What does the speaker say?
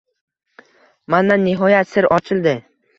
Mana, nihoyat sir ochildi